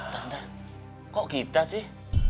tar tar kok kita sih